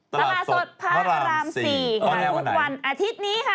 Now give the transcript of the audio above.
ตลาดสด๕๕๔ทุกวันอาทิตย์นี้ค่ะ